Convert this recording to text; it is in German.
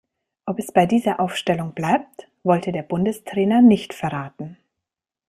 Ob es bei dieser Aufstellung bleibt, wollte der Bundestrainer nicht verraten.